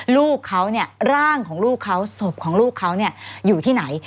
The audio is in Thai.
ลูกเขาเนี่ยร่างของลูกเขาศพของลูกเขาอยู่ที่ไหน